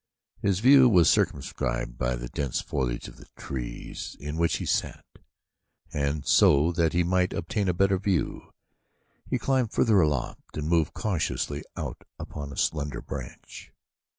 His view was circumscribed by the dense foliage of the tree in which he sat, and, so that he might obtain a better view, he climbed further aloft and moved cautiously out upon a slender branch.